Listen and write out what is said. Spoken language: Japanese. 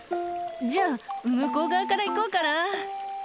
「じゃあ向こう側から行こうかな」